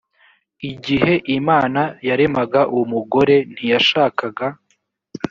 igihe imana yaremaga umugore ntiyashakaga